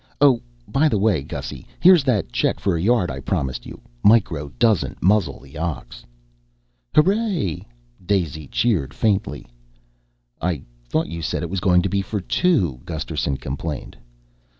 "Oh by the way, Gussy, here's that check for a yard I promised you. Micro doesn't muzzle the ox." "Hooray!" Daisy cheered faintly. "I thought you said it was going to be for two." Gusterson complained.